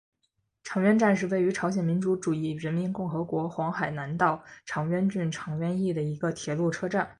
长渊站是位于朝鲜民主主义人民共和国黄海南道长渊郡长渊邑的一个铁路车站。